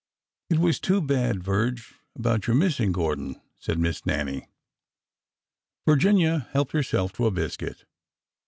'' It was too bad, Virge, about your missing Gordon," said Miss Nannie. Virginia helped herself to a biscuit.